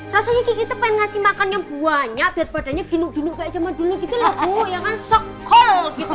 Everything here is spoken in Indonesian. rasanya kiki tuh pengen ngasih makan yang buahnya biar badannya ginuk ginuk kayak zaman dulu gitu lah bu ya kan sokol gitu